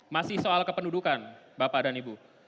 masih soal kependudukan bapak dan ibu